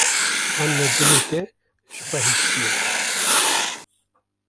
an me dilê te ji xwe hîştî ye.